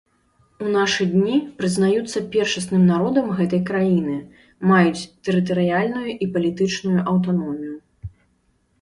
У нашы дні прызнаюцца першасным народам гэтай краіны, маюць тэрытарыяльную і палітычную аўтаномію.